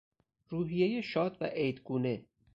روحیهی شاد و عید گونه